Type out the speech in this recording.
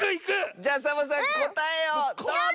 じゃあサボさんこたえをどうぞ！